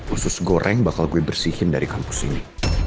usus goreng bakal gue bersihin dari kampus ini